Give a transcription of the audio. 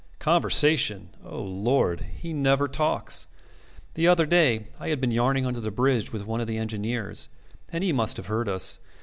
Conversation! O Lord! He never talks. The other day I had been yarning under the bridge with one of the engineers, and he must have heard us.